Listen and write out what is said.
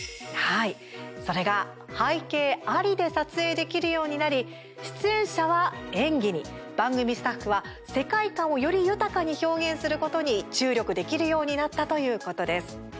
それが背景ありで撮影できるようになり出演者は、演技に番組スタッフは、世界観をより豊かに表現することに注力できるようになったということです。